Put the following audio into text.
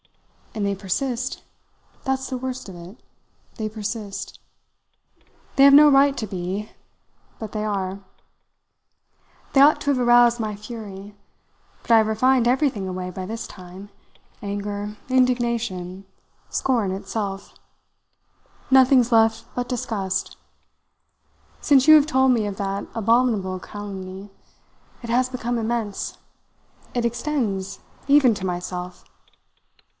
And they persist. That's the worst of it they persist. They have no right to be but they are. They ought to have aroused my fury. But I have refined everything away by this time anger, indignation, scorn itself. Nothing's left but disgust. Since you have told me of that abominable calumny, it has become immense it extends even to myself."